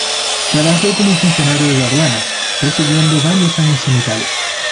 Trabajó como funcionario de aduanas, residiendo varios años en Italia.